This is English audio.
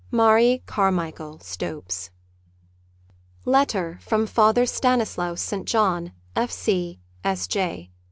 MARIE CARMICHAEL STOPES XIV Letter from Father Stanislaus St. John, F.C, S.J.